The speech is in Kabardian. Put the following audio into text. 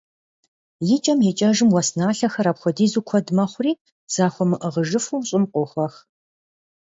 ИкӀэм икӀэжым, уэс налъэхэр апхуэдизу куэд мэхъури, захуэмыӀыгъыжыфу, щӀым къохуэх.